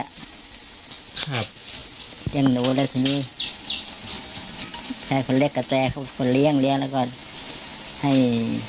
ครับเลี้ยงหนูแล้วทีนี้แค่คนเล็กกับแจก็คนเลี้ยงเลี้ยงแล้วก็ให้